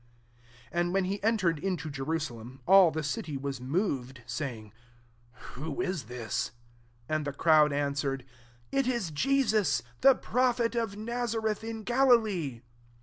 10 And when he entered into Jeru8alem» all the city wasmov ed, saying, « Who is tWs ?" U And the crowd answered, '^It is Jesus, the prophet of Naza« reth in Galilee."